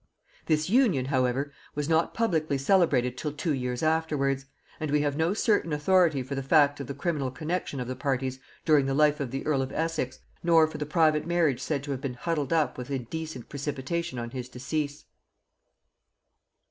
This union, however, was not publicly celebrated till two years afterwards; and we have no certain authority for the fact of the criminal connexion of the parties during the life of the earl of Essex, nor for the private marriage said to have been huddled up with indecent precipitation on his decease.